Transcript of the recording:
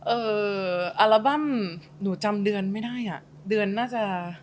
เอออัลบั้มหนูจำเดือนไม่ได้อ่ะเดือนน่าจะ